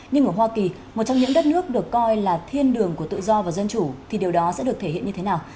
nhưng ở hoa kỳ một trong những đất nước được coi là thiên đường của tự do và dân chủ thì điều đó sẽ được thể hiện như thế nào